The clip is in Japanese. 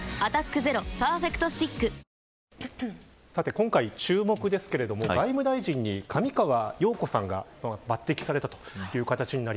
今回の注目ですが外務大臣に上川陽子さんが抜てきされました。